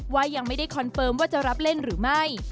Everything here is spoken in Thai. ว่ายังไม่ได้คอนเฟิร์มว่าจะรับเล่นหรือไม่